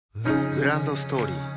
グランドストーリー